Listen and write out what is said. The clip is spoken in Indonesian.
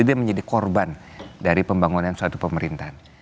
dia menjadi korban dari pembangunan suatu pemerintahan